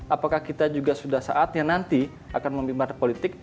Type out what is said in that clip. apakah kita juga sudah saatnya nanti akan memimpin partai politik